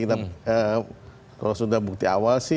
kalau sudah bukti awal